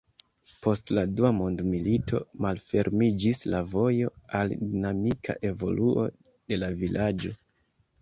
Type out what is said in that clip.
Post la dua mondmilito malfermiĝis la vojo al dinamika evoluo de la vilaĝo.